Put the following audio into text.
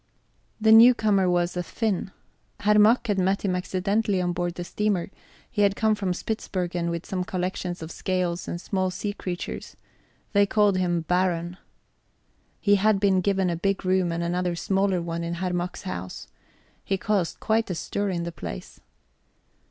The newcomer was a Finn. Herr Mack had met him accidentally on board the steamer; he had come from Spitzbergen with some collections of scales and small sea creatures; they called him Baron. He had been given a big room and another smaller one in Herr Mack's house. He caused quite a stir in the place.